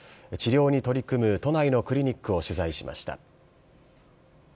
治療に取り組む都内のクリニックを取材しました。